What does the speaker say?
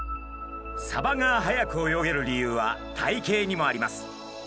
サバが早く泳げる理由は体形にもあります。